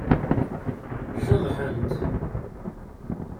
Ceḍḥent.